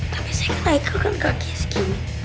tapi saya kan laiker kan kakinya segini